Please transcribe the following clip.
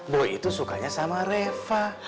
boy itu sukanya sama reva